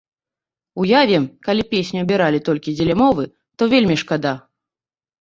Уявім, калі песню абіралі толькі дзеля мовы, то вельмі шкада.